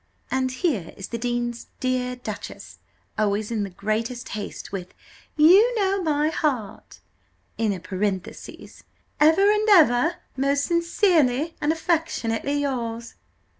"And here is the dean's dear duchess, always in the greatest haste, with 'You know my heart,' in a parenthesis, 'ever and ever most sincerely and affec' yours.